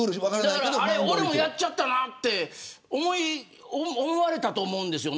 俺もやっちまったなって思われたと思うんですよ。